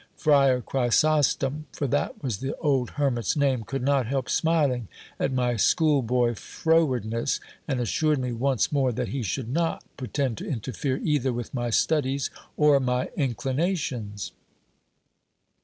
Friar Chrysostom, for that was the old hermit's name, could not help smiling at my school boy frowardness, and assured me once more that he should not pretend to interfere either with my studies or my inclinations.